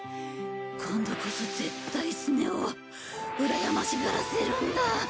今度こそ絶対スネ夫をうらやましがらせるんだ。